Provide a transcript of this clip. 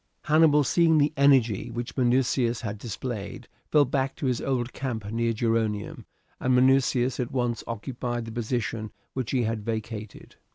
Hannibal, seeing the energy which Minucius had displayed, fell back to his old camp near Geronium, and Minucius at once occupied the position which he had vacated.